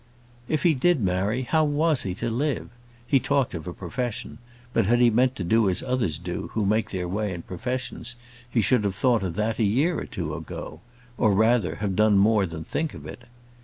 If he did marry, how was he to live? He talked of a profession; but had he meant to do as others do, who make their way in professions, he should have thought of that a year or two ago! or, rather, have done more than think of it.